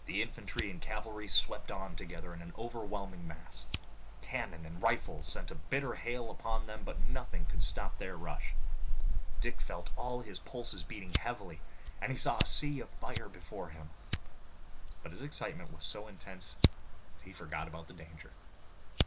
Infantry and cavalry swept on together in an overwhelming mass. Cannon and rifles sent a bitter hail upon them, but nothing could stop their rush. Dick felt all his pulses beating heavily and he saw a sea of fire before him, but his excitement was so intense that he forgot about danger.